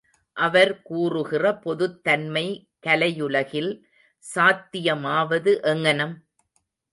அவர் கூறுகிற பொதுத் தன்மை கலையுலகில் சாத்தியமாவது எங்ஙனம்?